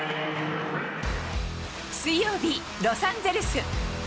水曜日、ロサンゼルス。